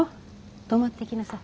泊まっていきなさい。